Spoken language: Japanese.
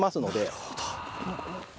なるほど。